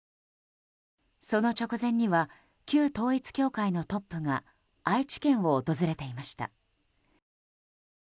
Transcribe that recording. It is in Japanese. その直前には旧統一教会のトップが愛知県を訪れていました。